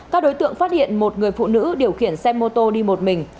các đối tượng phát hiện một người phụ nữ điều khiển xe mô tô đi một mình